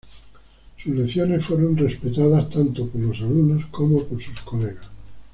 Sus lecciones fueron respetadas tanto por los alumnos como por sus colegas.